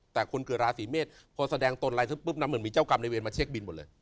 แต่คนเกิดราศีเมษพอแสดงตนอะไรเสร็จปุ๊บนะเหมือนมีเจ้ากรรมในเวรมาเช็คบินหมดเลย